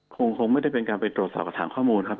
คงไม่ได้เป็นการไปตรวจสอบกับฐานข้อมูลครับ